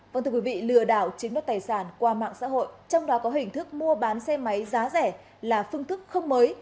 vâng thưa quý vị lừa đảo chiếm đất tài sản qua mạng xã hội trong đó có hình thức mua bán xe máy giá rẻ là phương thức không mới